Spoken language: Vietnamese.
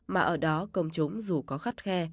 mà ở đó công chúng dù có khắt khe